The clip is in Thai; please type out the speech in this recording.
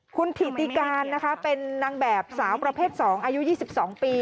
คุณถิติการนะคะเป็นนางแบบสาวประเภท๒อายุ๒๒ปี